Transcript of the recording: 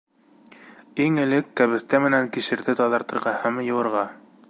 Иң элек кәбеҫтә менән кишерҙе таҙартырға һәм йыуырға.